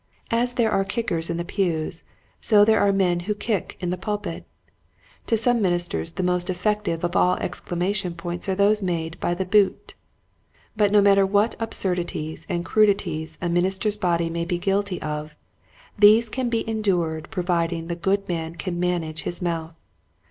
As there are kickers in the pews so are there men who kick in the pul pit. To some ministers the most effective of all exclamation points are those made by the boot. But no matter what absurdities and crudities a minister's body may be guilty of, these can be endured providing the good man can manage his mouth.